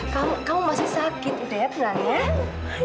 kamu masih sakit udah ya pernah ya